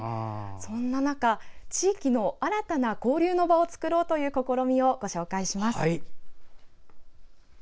そんな中地域の新たな交流の場を作ろうという試みをご紹介します。